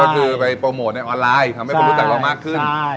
ก็คือไปโปรโมทในออนไลน์ทำให้คนรู้จักเรามากขึ้น